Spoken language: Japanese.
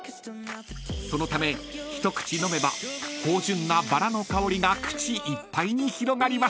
［そのため一口飲めば芳醇な薔薇の香りが口いっぱいに広がります］